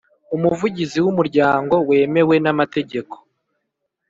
Umuvugizi w’umuryango wemewe n’amategeko